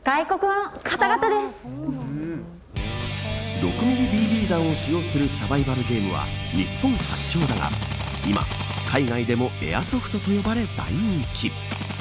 ６ミリＢＢ弾を使用するサバイバルゲームは日本発祥だが今、海外でもエアソフトと呼ばれ大人気。